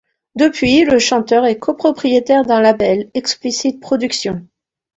Depuis, le chanteur est copropriétaire d'un label, Explicit Productions.